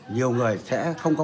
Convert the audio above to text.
nhiều người sẽ không có